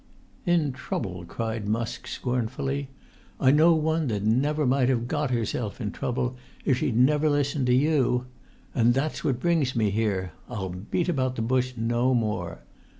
"In trouble!" cried Musk scornfully. "I know one that never might have got herself into trouble if she'd never listened to you! And that's what brings[Pg 21] me here; I'll beat about the bush no more.